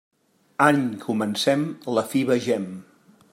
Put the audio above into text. Any comencem; la fi vegem.